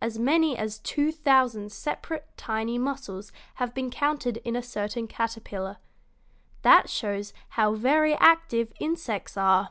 As many as two thousand separate, tiny muscles have been counted in a certain caterpillar. That shows how very active insects are."